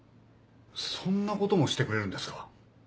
そんなこともしてくれるんですか？